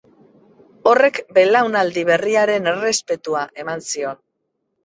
Horrek belaunaldi berriaren errespetua eman zion.